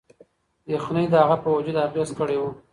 یخنۍ د هغه په وجود اغیز کړی و.